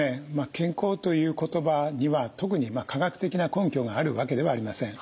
「健康」という言葉には特に科学的な根拠があるわけではありません。